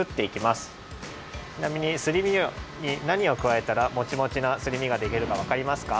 ちなみにすり身になにをくわえたらモチモチなすり身ができるかわかりますか？